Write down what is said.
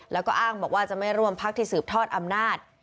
แล้วก็อ้างบอกว่าจะไม่ร่วมพักที่สืบทอดอำนาจ